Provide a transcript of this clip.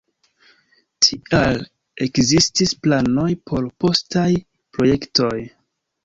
Tial ekestis planoj por postaj projektoj.